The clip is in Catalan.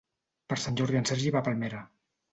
Per Sant Jordi en Sergi va a Palmera.